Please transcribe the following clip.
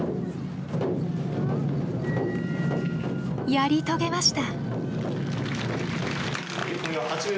やり遂げました！